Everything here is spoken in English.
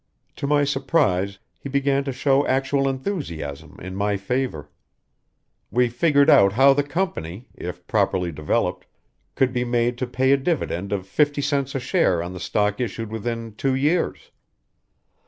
To my surprise he began to show actual enthusiasm in my favor. We figured out how the company, if properly developed, could be made to pay a dividend of fifty cents a share on the stock issued within two years.